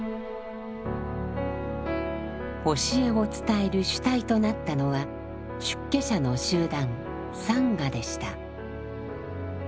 教えを伝える主体となったのは出家者の集団「サンガ」でした。